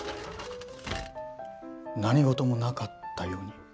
何事もなかったように？